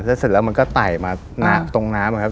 แล้วเสร็จแล้วมันก็ไต่มาหน้าตรงน้ำนะครับ